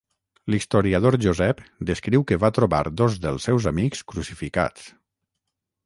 L'historiador Josep descriu que va trobar dos dels seus amics crucificats.